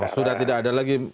sudah tidak ada lagi